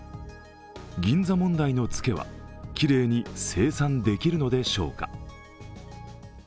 銀座問題のツケはきれいに清算できるのでしょうか。